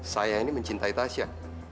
saya ini mencintai tasya